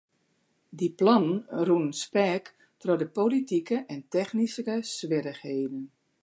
Dy plannen rûnen speak troch politike en technyske swierrichheden.